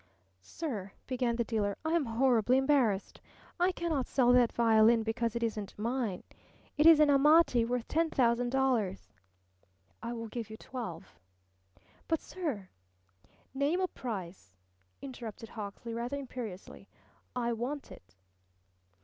"Sir," began the dealer, "I am horribly embarrassed. I cannot sell that violin because it isn't mine. It is an Amati worth ten thousand dollars." "I will give you twelve." "But, sir " "Name a price," interrupted Hawksley, rather imperiously. "I want it."